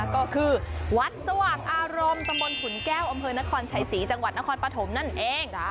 ก็คือวัดสว่างอารมณ์ตำบลขุนแก้วอำเภอนครชัยศรีจังหวัดนครปฐมนั่นเอง